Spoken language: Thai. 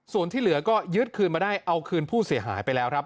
เสือก็ยึดคืนมาได้เอาคืนผู้เสียหายไปแล้วครับ